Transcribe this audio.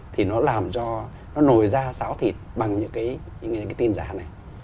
thì nó làm cho nó nổi ra sáo thịt bằng những cái tin giả này